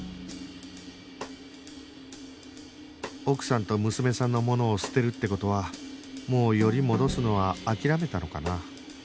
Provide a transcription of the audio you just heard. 奥さんと娘さんのものを捨てるって事はもうより戻すのは諦めたのかな？